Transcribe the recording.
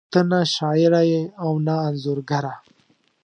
ته نه شاعره ېې او نه انځورګره